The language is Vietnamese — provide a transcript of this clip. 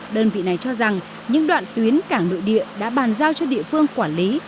đơn vị này cho rằng những đoạn tuyến cảng nội địa đã bàn giao cho địa phương quản lý